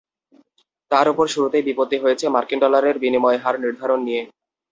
তার ওপর শুরুতেই বিপত্তি হয়েছে মার্কিন ডলারের বিনিময় হার নির্ধারণ নিয়ে।